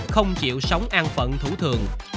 không chịu sống an phận thủ thường